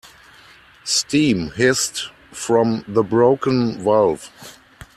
Steam hissed from the broken valve.